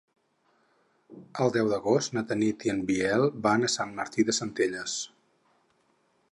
El deu d'agost na Tanit i en Biel van a Sant Martí de Centelles.